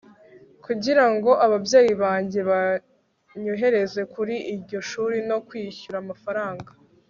kugirango ababyeyi banjye banyohereze kuri iryo shuri no kwishyura amafaranga